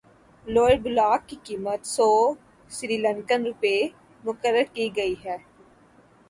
lower block کی قیمت سو سری لنکن روپے مقرر کی گئی ہے